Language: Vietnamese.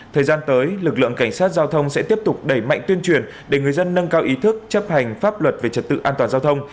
thời gian tới lực lượng cảnh sát giao thông sẽ tiếp tục đẩy mạnh tuyên truyền để người dân nâng cao ý thức chấp hành pháp luật về trật tự an toàn giao thông